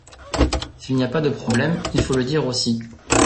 S’il n’y a pas de problème il faut le dire aussi.